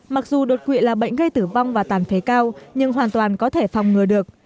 mặc dù đột quỵ là bệnh gây tử vong và tàn phế cao nhưng hoàn toàn có thể phòng ngừa được